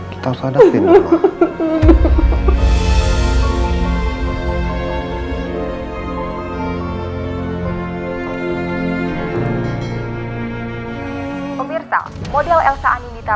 kita harus hadapin mama